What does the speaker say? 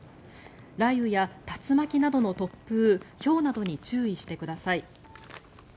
雷雨や竜巻などの突風ひょうなどに注意してください。